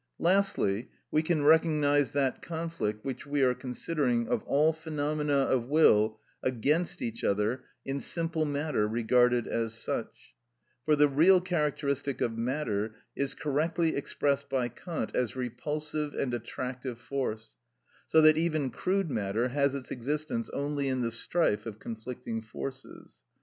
Lastly, we can recognise that conflict which we are considering of all phenomena of will against each other in simple matter regarded as such; for the real characteristic of matter is correctly expressed by Kant as repulsive and attractive force; so that even crude matter has its existence only in the strife of conflicting forces.